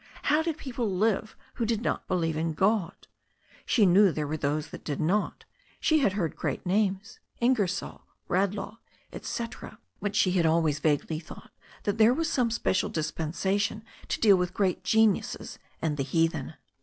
How did people live who did not believe in God? She knew there were those who did not. She had heard great names. In gersoU, Bradlaugh, etc. But she had always vaguely thought that there was some special dispensation to deal with great geniuses and the heathen.